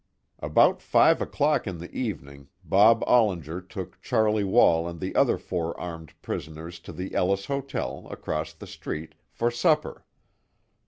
About five o'clock in the evening, Bob Ollinger took Charlie Wall and the other four armed prisoners to the Ellis Hotel, across the street, for supper.